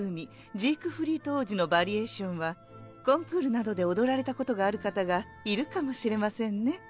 ジークフリート王子のヴァリエーションはコンクールなどで踊られたことがある方がいるかもしれませんね。